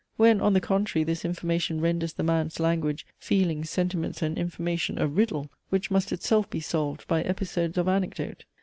When on the contrary this information renders the man's language, feelings, sentiments, and information a riddle, which must itself be solved by episodes of anecdote?